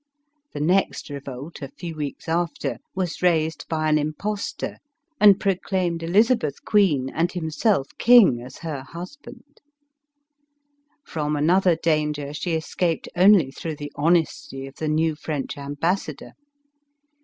The next revolt, a few weeks after, was raised by an impostor who passed himself off for an exiled earl, and proclaimed Elizabeth queen and himself king as her husband. From another danger she escaped only through the honesty of the new French ambassador.